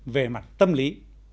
về mặt tâm lý